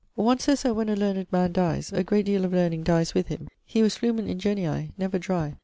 One sayes that when a learned man dyes, a great deal of learning dyes with him. He was 'flumen ingenii,' never dry.